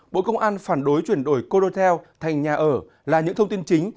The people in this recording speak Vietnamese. bộ công an phản đối chuyển đổi codotel thành nhà ở là những thông tin chính